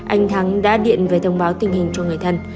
anh thắng đã điện về thông báo tình hình cho người thân